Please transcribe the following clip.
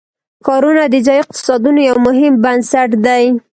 ښارونه د ځایي اقتصادونو یو مهم بنسټ دی.